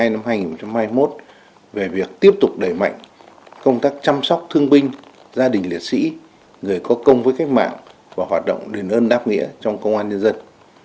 năm hai nghìn hai mươi một về việc tiếp tục đẩy mạnh công tác chăm sóc thương binh gia đình liệt sĩ người có công với cách mạng và hoạt động đền ơn đáp nghĩa trong công an nhân dân